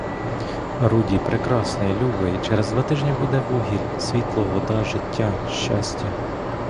Руді, прекрасний, любий, через два тижні буде вугіль, світло, вода, життя, щастя!